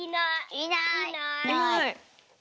いない？